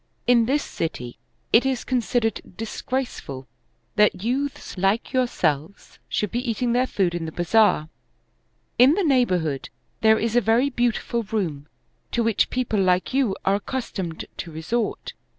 In this city it is considered disgraceful that youths like yourselves should be eating their food in the bazaar ; in the neighborhood there is a very beautiful room, to which people like you are accustomed to resort.